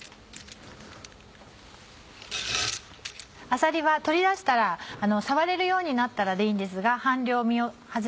あさりは取り出したら触れるようになったらでいいんですが。